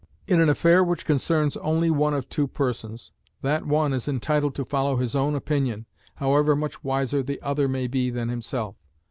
In an affair which concerns only one of two persons, that one is entitled to follow his own opinion, however much wiser the other may be than himself.